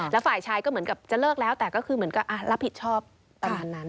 แล้วฝ่ายชายก็เหมือนกับจะเลิกแล้วแต่ก็คือเหมือนก็รับผิดชอบประมาณนั้น